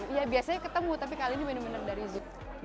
iya biasanya ketemu tapi kali ini bener bener dari zoom